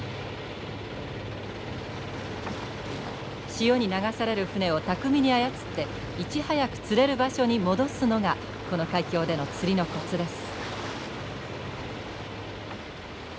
潮に流される船を巧みに操っていち早く釣れる場所に戻すのがこの海峡での釣りのコツです。